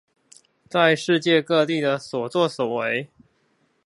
在世界各地的所作所為